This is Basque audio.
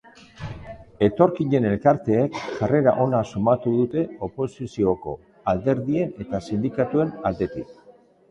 Etorkinen elkarteek jarrera ona sumatu dute oposizioko alderdien eta sindikatuen aldetik.